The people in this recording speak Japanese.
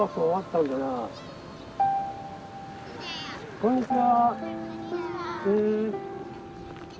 こんにちは。